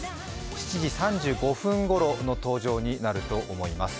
７時３５分ごろの登場になると思います。